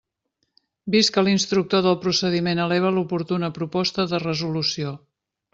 Vist que l'instructor del procediment eleva l'oportuna proposta de resolució.